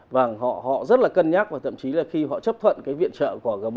và họ rất là cân nhắc và thậm chí là khi họ chấp thuận viện trợ của g bảy